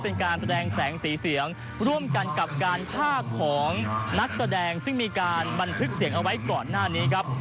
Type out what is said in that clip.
เป็นการแสดงแสงสีเสียงร่วมกันกับการพากของนักแสดงซึ่งมีการบันทึกเสียงเอาไว้ก่อนหน้านี้ครับ